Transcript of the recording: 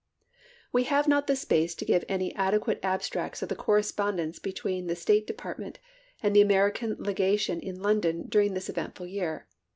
We have not the space to give any adequate abstracts of the correspondence between the State Vol. VI.— 4 49 50 ABKAHAM LINCOLN Chap. III. Department and the American Legation in London during this eventful year.